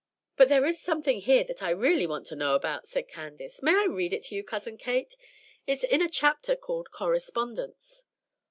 "But there is something here that I really want to know about," said Candace. "May I read it to you, Cousin Kate? It's in a chapter called 'Correspondence.'"